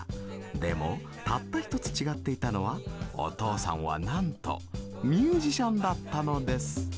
でもたった一つ違っていたのはお父さんはなんとミュージシャンだったのです。